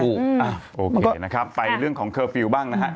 โอเคนะครับไปเรื่องของเคอร์ฟิลล์บ้างนะฮะ